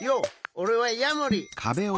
おれはヤモリ！